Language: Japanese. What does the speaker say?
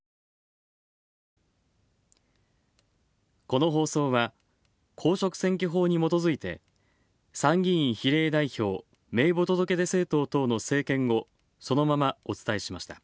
この放送は、公職選挙法にもとづいて参議院比例代表名簿届出政党等の政見をそのままお伝えしました。